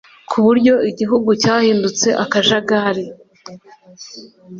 ku buryo igihugu cyahindutse akajagari.